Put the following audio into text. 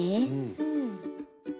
うん。